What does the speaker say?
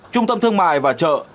trung tâm thương mại và chợ